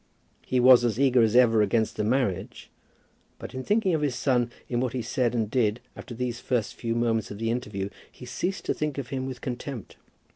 He was as eager as ever against the marriage; but in thinking of his son in what he said and did after these few first moments of the interview, he ceased to think of him with contempt.